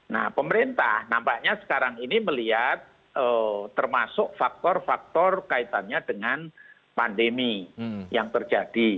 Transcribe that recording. nah pemerintah nampaknya sekarang ini melihat termasuk faktor faktor kaitannya dengan pandemi yang terjadi